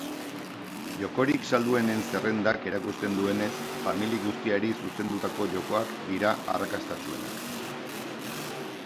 Jokorik salduenen zerrendak erakusten duenez, famili guztiari zuzendutako jokoak dira arrakastatsuenak.